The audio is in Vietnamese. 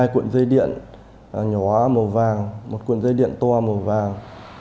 hai cuộn dây điện nhỏ màu vàng một cuộn dây điện toa màu vàng